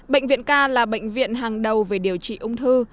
bệnh viện k là bệnh viện hàng đầu về điều trị ung thư